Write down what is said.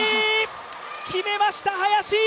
決めました林！